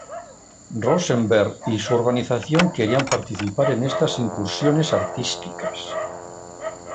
Rosenberg y su organización querían participar en estas incursiones artísticas.